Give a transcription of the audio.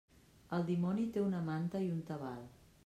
El dimoni té una manta i un tabal.